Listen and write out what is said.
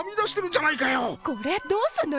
「これ、どうすんのよ」。